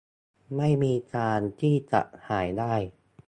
ไม่มีทางที่จะหายได้